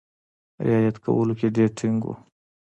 رعایت کولو کې ډېر ټینګ وو.